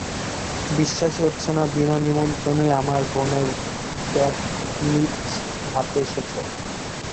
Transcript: বিশ্বাসই হচ্ছে না বিনা নিমন্ত্রণেই আমার বোনের ব্যাট মিৎজভাতে এসেছো।